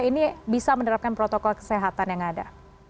ini bisa menerapkan protokol kesehatan yang ada